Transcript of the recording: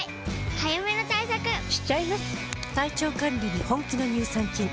早めの対策しちゃいます。